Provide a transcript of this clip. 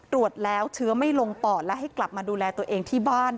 ตรวจแล้วเชื้อไม่ลงปอดและให้กลับมาดูแลตัวเองที่บ้าน